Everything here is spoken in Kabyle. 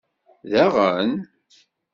Daɣen?!